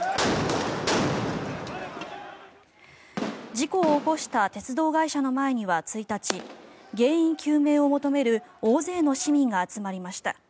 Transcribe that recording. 事故を起こした鉄道会社の前には１日原因究明を求める大勢の市民が集まりました。